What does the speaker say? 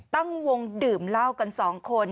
ตั้งวงดื่มเหล้ากันสองคน